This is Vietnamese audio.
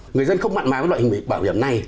người dân không mặn mà với loại hình bảo hiểm này